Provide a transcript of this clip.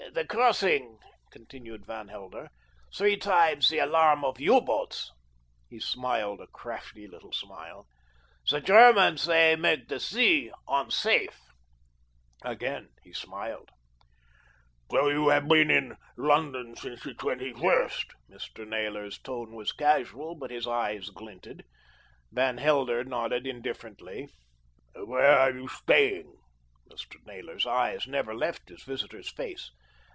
"The crossing," continued Van Helder, "three times the alarm of U boats." He smiled a crafty little smile. "The Germans they make the sea unsafe." Again he smiled. "So you have been in London since the 21st." Mr. Naylor's tone was casual; but his eyes glinted. Van Helder nodded indifferently. "Where are you staying?" Mr. Naylor's eyes never left his visitor's face.